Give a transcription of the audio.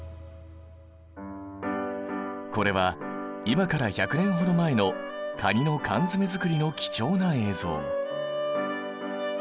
これは今から１００年ほど前のカニの缶詰作りの貴重な映像。